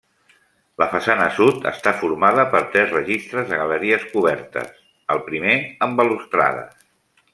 La façana sud està formada per tres registres de galeries cobertes, el primer amb balustrades.